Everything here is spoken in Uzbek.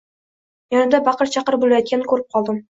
Yonida baqir-chaqir boʻlayotganini koʻrib qoldim.